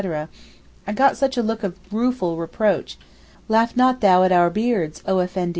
I got such a look of rueful reproach. 'Laugh not thou at our beards O Effendim!